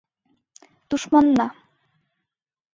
Тушманна